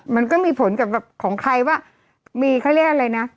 มันก็มีผลกับของใครว่ามีเขาเรียกอะไรนะ